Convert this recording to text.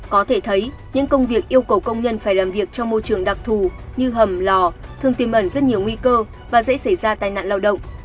có thể thấy những công việc yêu cầu công nhân phải làm việc trong môi trường đặc thù như hầm lò thường tìm ẩn rất nhiều nguy cơ và dễ xảy ra tai nạn lao động